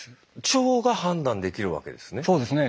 腸が判断できるわけですね。